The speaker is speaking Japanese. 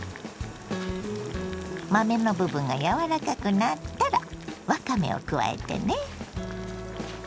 豆の部分が柔らかくなったらわかめを加えてね。